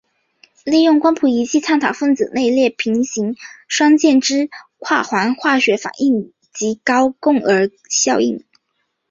利用光谱仪器探讨分子内并列平行双键间之跨环化学反应及高共轭效应。